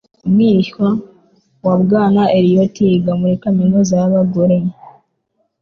Umwishywa wa Bwana Eliot yiga muri kaminuza y'abagore.